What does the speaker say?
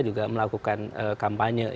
juga melakukan kampanye